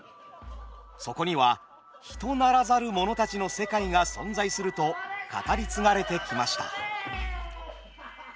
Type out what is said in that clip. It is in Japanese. そこには人ならざる者たちの世界が存在すると語り継がれてきました。